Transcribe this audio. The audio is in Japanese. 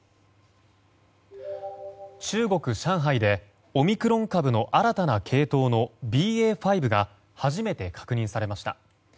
中国・上海でオミクロン株の新たな系統のＢＡ．５が初めて確認されました。